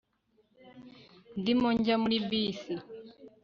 ndimo njya muri bisi